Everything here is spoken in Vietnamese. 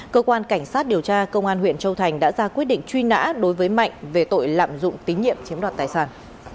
cơ quan cảnh sát điều tra công an huyện châu thành đã ra quyết định truy nã đối với mạnh về tội lạm dụng tín nhiệm chiếm đoạt tài sản